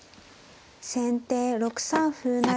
先手６三歩成。